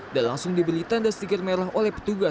dan langsung diberi tanda stiker merah oleh petugas